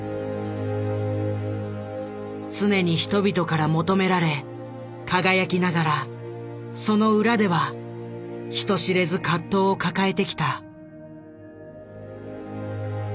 常に人々から求められ輝きながらその裏では人知れず葛藤を抱えてきた。